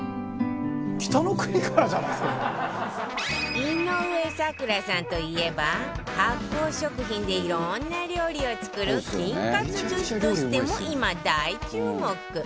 井上咲楽さんといえば発酵食品でいろんな料理を作る菌活女子としても今大注目